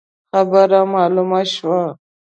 خبره مالومه شوه.